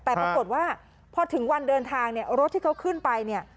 แต่ปรากฏว่าพอถึงวันเดินทางรถที่เขาขึ้นไป